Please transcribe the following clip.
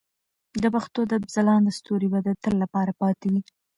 د پښتو ادب ځلانده ستوري به د تل لپاره پاتې وي.